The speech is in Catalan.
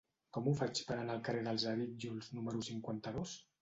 Com ho faig per anar al carrer dels Arítjols número cinquanta-dos?